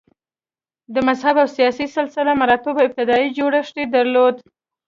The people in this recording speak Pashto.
د مذهب او سیاسي سلسه مراتبو ابتدايي جوړښت یې درلود